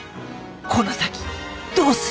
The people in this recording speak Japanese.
この先どうする！？